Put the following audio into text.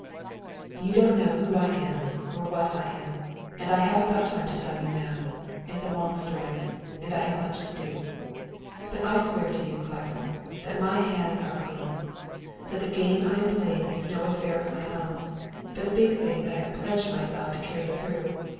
"You don't know who I am or what I am; and I haven't got time to tell you now. It's a long story; and I have much to do, but I swear to you, Claiborne, that my hands are clean; that the game I am playing is no affair of my own, but a big thing that I have pledged myself to carry through.